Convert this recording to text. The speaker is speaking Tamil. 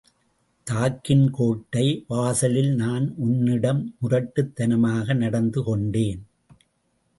தாக்கின் கோட்டை வாசலில் நான் உன்னிடம் முரட்டுத் தனமாக நடந்து கொண்டேன்.